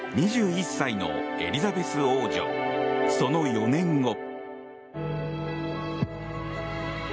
２１歳のエリザベス王女その４年後。